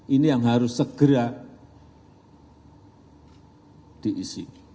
ini yang harus segera diisi